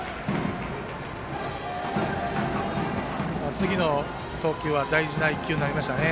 次の投球は大事な１球になりましたね。